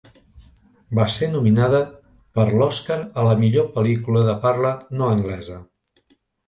Va ser nominada per a l'Oscar a la millor pel·lícula de parla no anglesa.